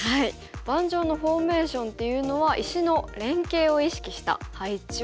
盤上のフォーメーションっていうのは石の連携を意識した配置をすることなんですね。